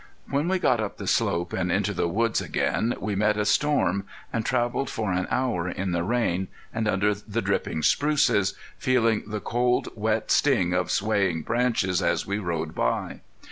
When we got up the slope and into the woods again we met a storm, and traveled for an hour in the rain, and under the dripping spruces, feeling the cold wet sting of swaying branches as we rode by.